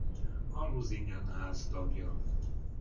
A Lusignan-ház tagja.